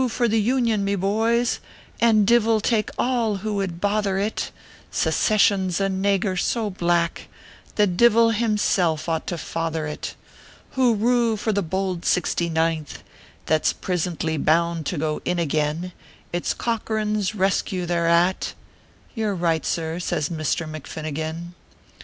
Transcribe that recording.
for the Union, me boys, And divil take all who would bother it, Secession s a nagur so black The divil himself ought to father it ; Hurroo ! for the bould 69th, That s prisintly bound to go in again ; It s Corcoran s rescue they re at " "You re right, sir," says Misther McFinnigan.